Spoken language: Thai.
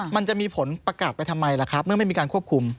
มันจะมีผลประกาศไปทำไมล่ะครับเมื่อไม่มีการควบคุม